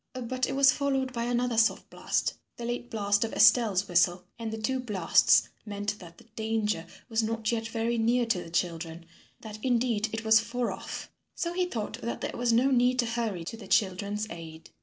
But it was followed by another soft blast the late blast of Estelle's whistle and the two blasts meant that the danger was not yet very near to the children, that indeed it was far off, so he thought that there was no need to hurry to the children's aid.